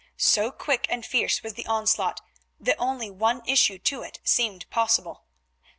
So quick and fierce was the onslaught that only one issue to it seemed possible.